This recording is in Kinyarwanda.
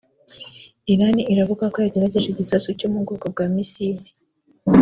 Irani iravuga ko yagerageje igisasu cyo mu bwoko bwa misile